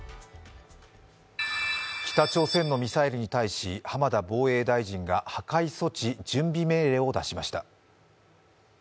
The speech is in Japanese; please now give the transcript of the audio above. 北朝鮮のミサイルに対し浜田防衛大臣が破壊措置準備命令を出しました。